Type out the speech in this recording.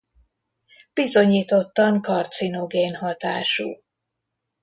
Bizonyítottan karcinogén hatású.